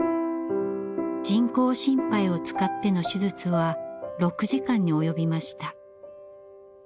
人工心肺を使っての手術は６時間に及びました。